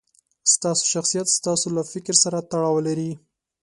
ستاسو شخصیت ستاسو له فکر سره تړاو لري.